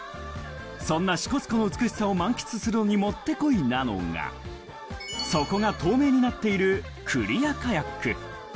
そんな支笏湖の美しさを満喫するのにもってこいなのが底が透明になっているクリアカヤック。